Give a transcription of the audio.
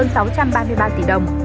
sáu trăm ba mươi ba tỷ đồng